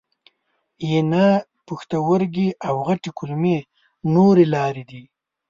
ینه، پښتورګي او غټې کولمې نورې لارې دي.